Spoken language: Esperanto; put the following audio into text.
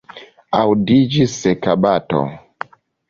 Aŭdiĝis seka bato.